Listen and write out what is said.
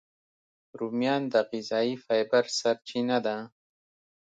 رومیان د غذایي فایبر سرچینه ده